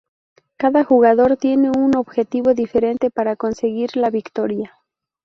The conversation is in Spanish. Cada jugador tiene un objetivo diferente para conseguir la victoria.